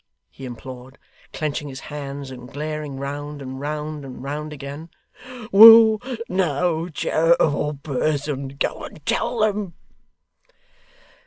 he implored, clenching his hands and glaring round, and round, and round again 'will no charitable person go and tell them!